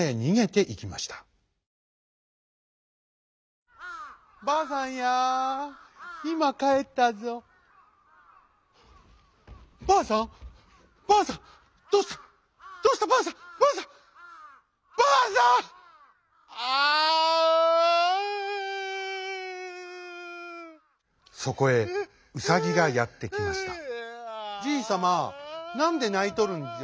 「じいさまなんでないとるんじゃ？